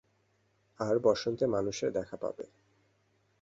আর বসন্তে মানুষের দেখা পাবে।